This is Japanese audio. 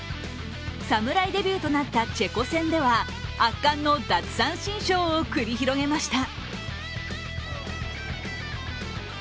侍デビューとなったチェコ戦では圧巻の奪三振ショーを繰り広げました。